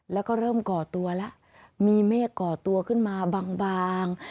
แล้วก็เริ่มก่อตัวแล้วมีเมฆก่อตัวขึ้นมาบาง